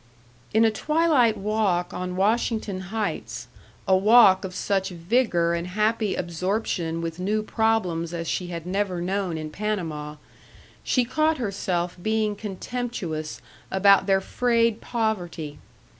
In a twilight walk on Washington Heights, a walk of such vigor and happy absorption with new problems as she had never known in Panama, she caught herself being contemptuous about their frayed poverty.